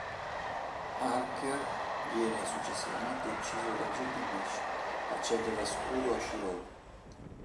Archer viene successivamente ucciso da Gilgamesh facendo da scudo a Shirou.